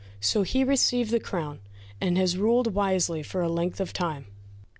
So he received the crown, and has ruled wisely for a length of time.